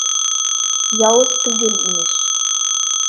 Яуыз түгел, имеш.